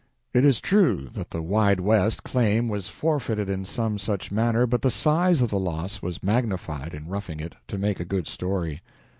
It is true that the "Wide West" claim was forfeited in some such manner, but the size of the loss was magnified in "Roughing It," to make a good story.